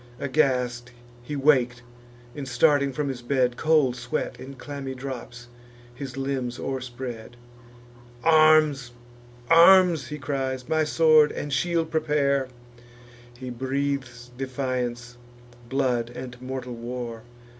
Aghast he wak'd; and, starting from his bed, Cold sweat, in clammy drops, his limbs o'erspread. "Arms! arms!" he cries: "my sword and shield prepare!" He breathes defiance, blood, and mortal war.